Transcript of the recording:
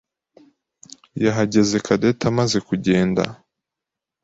yahageze Cadette amaze kugenda.